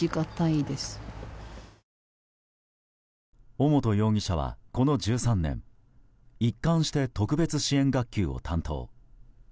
尾本容疑者はこの１３年一貫して特別支援学級を担当。